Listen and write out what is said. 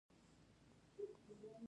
افغانستان د دښتو په اړه څېړنې لري.